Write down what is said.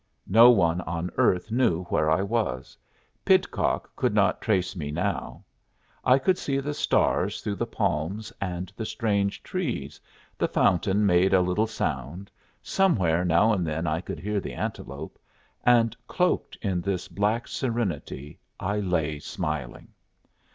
No one on earth knew where I was. Pidcock could not trace me now. I could see the stars through the palms and the strange trees, the fountain made a little sound, somewhere now and then I could hear the antelope, and, cloaked in this black serenity, I lay smiling.